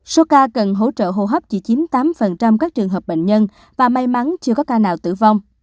số ca cần hỗ trợ hô hấp chỉ chiếm tám các trường hợp bệnh nhân và may mắn chưa có ca nào tử vong